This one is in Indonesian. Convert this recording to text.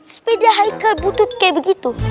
sepeda haikal butuh kayak begitu